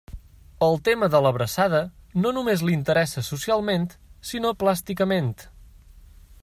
El tema de l'abraçada no només l'interessa socialment sinó plàsticament.